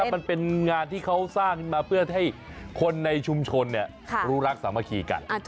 มันเป็นงานที่เขาสร้างขึ้นมาเพื่อให้คนในชุมชนรู้รักสามัคคีกัน